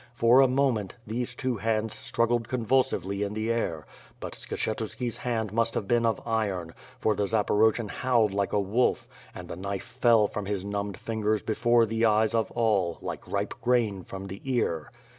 For a moment, these two hands struggled convulsively in the air; but Skshetuski's hand must have been of iron, for the Zaporo jian howled like a wolf, and the knife fell from his numbed fingers before the eyes of all, like ripe grain from the ear.